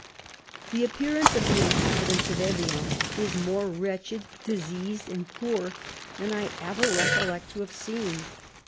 116 The appearance of the inhabitants of Evian is more wretched, diseased and poor, than I ever recollect to have seen.